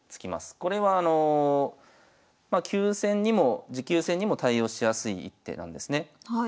これはあの急戦にも持久戦にも対応しやすい一手なんですね。